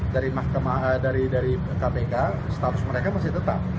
dari kpk status mereka masih tetap